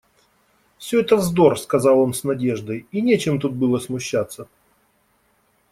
Всё это вздор, — сказал он с надеждой, — и нечем тут было смущаться!